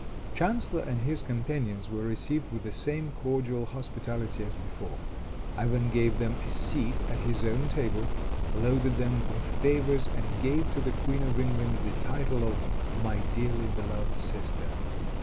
Chanceller and his companions were received with the same cordial hospitality as before. Ivan gave them a seat at his own table, loaded them with favors and gave to the Queen of England the title of "my dearly beloved sister."